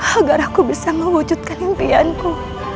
agar aku bisa mewujudkan impianku